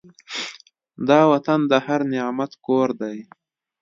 دا وطن د هر نعمت کور دی.